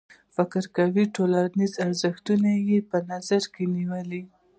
فکر کوي ټولنیز ارزښتونه یې په نظر کې نیولي.